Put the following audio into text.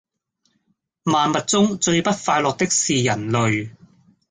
萬物中最不快樂的是人類